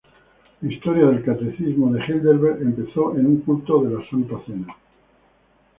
La historia del Catecismo de Heidelberg empezó en un culto de la Santa Cena.